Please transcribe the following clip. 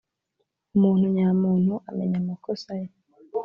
Umuntu nyamuntu amenya amakosa ye